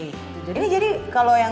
ini jadi kalau yang